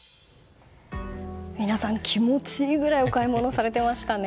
皆さん、気持ちいいぐらいお買い物をされていましたね。